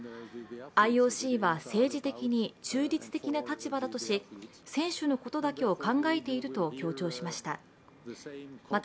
ＩＯＣは政治的に中立的な立場だとし選手のことだけを考えていると強調しました。